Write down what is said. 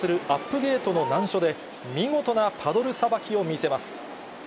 ゲートの難所で見事なパドルさばきを見せます。